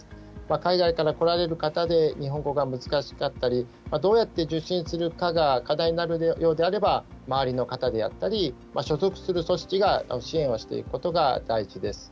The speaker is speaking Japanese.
海外から来られる方で、日本語が難しかったり、どうやって受診するかが課題になるようであれば、周りの方であったり、所属する組織が支援をしていくことが大事です。